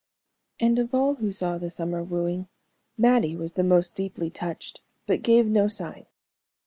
And, of all who saw the summer wooing, Mattie was the most deeply touched, but gave no sign.